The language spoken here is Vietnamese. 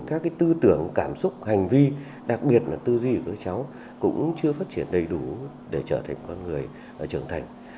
các tư tưởng cảm xúc hành vi đặc biệt là tư duy của các cháu cũng chưa phát triển đầy đủ để trở thành con người trưởng thành